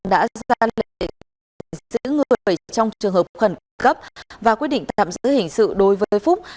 đã ra lệnh giữ người trong trường hợp khẩn cấp và quyết định tạm giữ hình sự đối với phúc